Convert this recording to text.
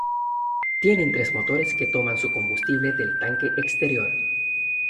Tiene tres motores que toman su combustible del tanque exterior.